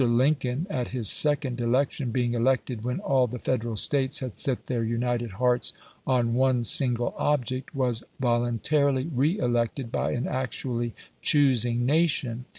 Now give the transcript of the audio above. Lincoln, at his second election, being elected when all the Federal States had set their united hearts on one single object, was voluntarily reelected by an actually choosing nation.